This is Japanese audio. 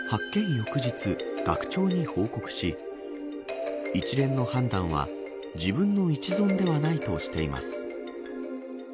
翌日、学長に報告し一連の判断は自分の一存ではないとしています。